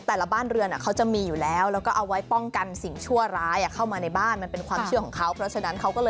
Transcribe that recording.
แต่ละบ้านเรือนเขาจะมีอยู่แล้วแล้วก็เอาไว้ป้องกันสิ่งชั่วร้ายเข้ามาในบ้านเหมือนเป็นความเชื่อของเขา